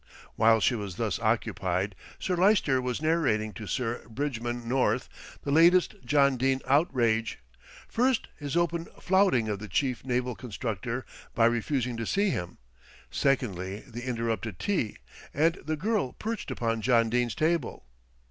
While she was thus occupied, Sir Lyster was narrating to Sir Bridgman North the latest John Dene outrage, first his open flouting of the Chief Naval Constructor by refusing to see him, secondly the interrupted tea, and the girl perched upon John Dene's table.